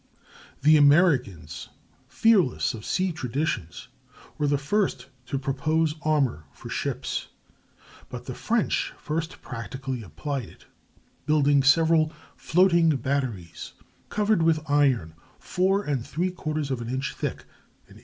] The Americans, fearless of sea traditions, were the first to propose armor for ships, but the French first practically applied it, building several "floating batteries," covered with iron 4¾ inches thick, in 1855.